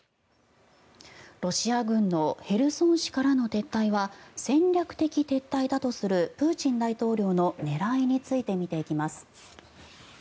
ロシア軍のヘルソン市からの撤退は戦略的撤退だとするプーチン大統領の狙いについて見ていきます。